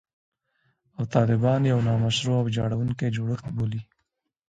او طالبان یو «نامشروع او ویجاړوونکی جوړښت» بولي